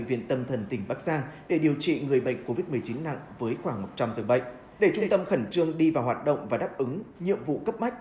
về trung tâm khẩn trương đi vào hoạt động và đáp ứng nhiệm vụ cấp mắt